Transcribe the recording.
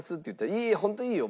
「いい本当にいいよ」